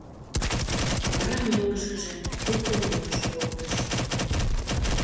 Вара мӧҥгышкыжӧ, Юл кундемыш колтыш.